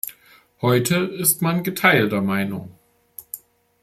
Heute ist man geteilter Meinung.